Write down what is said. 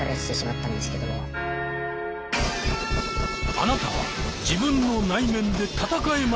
あなたは「自分の内面」で戦えますか？